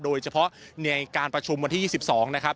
โดยเฉพาะในการประชุมวันที่๒๒นะครับ